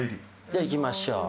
じゃあいきましょう。